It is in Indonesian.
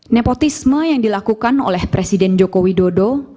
nepotisme yang dilakukan oleh presiden joko widodo